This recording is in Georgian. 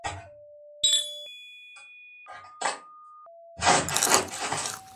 ალკოჰოლი კიდევ ერთ ფარულ საშიშროებას უქმნის ღვიძლს.